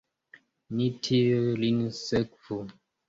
Ni tuj lin sekvu!